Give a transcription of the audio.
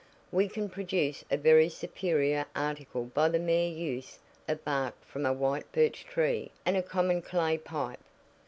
"We can produce a very superior article by the mere use of bark from a white birch tree, and a common clay pipe.